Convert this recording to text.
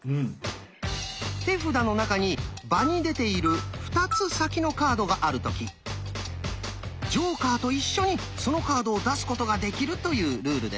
手札の中に場に出ている２つ先のカードがある時ジョーカーと一緒にそのカードを出すことができるというルールです。